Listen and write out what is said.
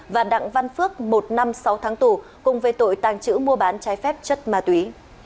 và đặng văn phước một năm sáu tháng tù cùng về tội tàng trữ mua bán trái phép chất ma túy